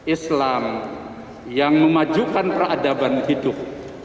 islam yang memajukan peradaban hidup